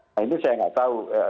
nah ini saya nggak tahu